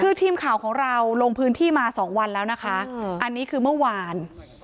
คือทีมข่าวของเราลงพื้นที่มาสองวันแล้วนะคะอันนี้คือเมื่อวาน